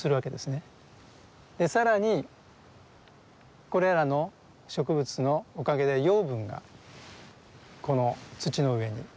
更にこれらの植物のおかげで養分がこの土の上に浸透する。